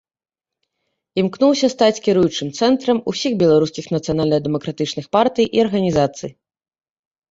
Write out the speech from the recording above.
Імкнуўся стаць кіруючым цэнтрам усіх беларускіх нацыянальна-дэмакратычных партый і арганізацый.